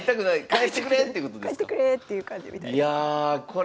帰ってくれっていう感じみたいです。